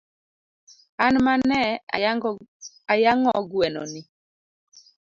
An mane ayang'o gweno ni